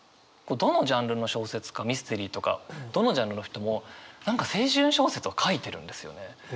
どのジャンルの小説家ミステリーとかどのジャンルの人も何か青春小説は書いてるんですよね。